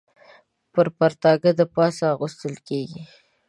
پر پرتاګه د پاسه اغوستل کېږي.